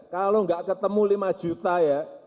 kalau enggak ketemu rp lima ya